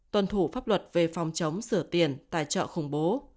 tuân thủ pháp luật về phòng chống sửa tiền tài trợ khủng bố